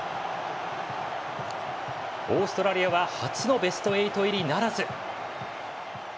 オーストラリアは初のベスト８入りならず。